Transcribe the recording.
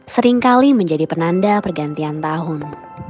seringkali menjadi penanda pergantian tahun